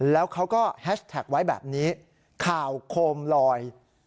แล้วเขาก็แฮชแท็กไว้แบบนี้ข่าวโคมลอย